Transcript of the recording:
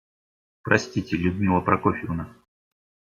Простите, Людмила Прокофьевна.